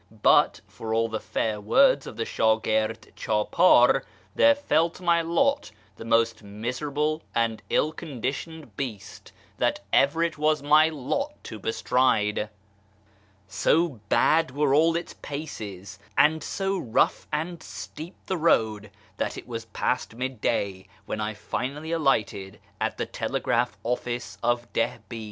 but, for all the fair words of the shdgird phdpdr, there fell to my lot the most miserable and ill con ditioned beast that ever it was my lot to bestride. So bad 344 yl YEAR AMONGST THE PERSIANS were all its paces, and so rough and steep the road, that it was past mid day when I finally alighted at the telegraph ollice of Dihbid.